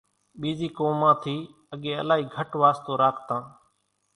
ٻيزِي قومان ٿِي اڳيَ الائِي گھٽ واستو راکتان۔